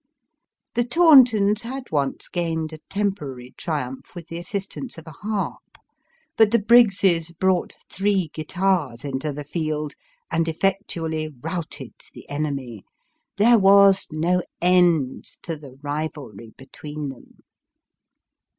The Tauntons had once gained a temporary triumph with the assistance of a harp, but the Briggses brought three guitars into the field, and effectually routed the enemy. There was no end to the rivalry between them.